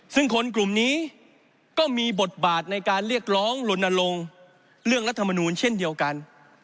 ซึ่งคนกลุ่มนี้ก็มีบทบาทในการเรียกร้องลนลงเรื่องรัฐมนูลเช่นเดียวกัน